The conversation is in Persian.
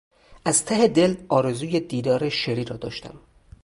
از ته دل آرزوی دیدار شری را داشتم.